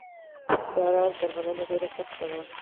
دا راز درملنه ډېره سخته وه.